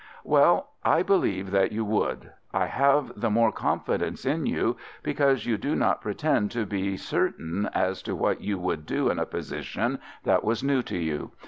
"Well, I believe that you would. I have the more confidence in you because you do not pretend to be certain as to what you would do in a position that was new to you.